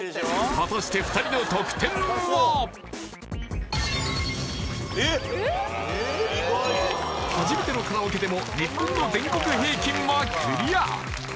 果たして初めてのカラオケでも日本の全国平均はクリア